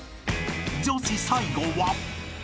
［女子最後は］